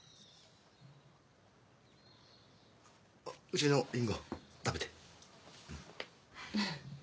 うちのリンゴ食べて。